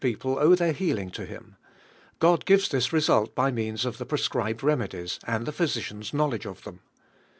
pie owe their healing to him. God gives this result by means rut the prescribed remedies, and the physician's knowledge of them.